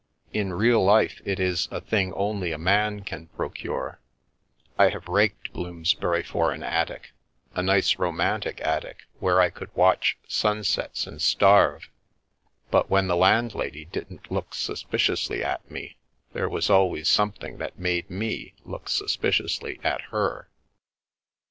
In real life it is a thing only a man can procure; I have raked Bloomsbury for an attic, a nice romantic attic where I could watch sunsets and starve, but when the landlady didn't look suspiciously at me there was always something that made me look suspiciously at her.